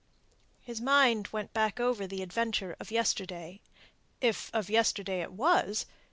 His mind went back over the adventure of yesterday, if of yesterday it was.